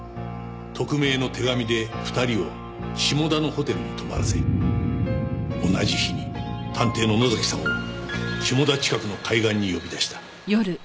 匿名の手紙で２人を下田のホテルに泊まらせ同じ日に探偵の野崎さんを下田近くの海岸に呼び出した。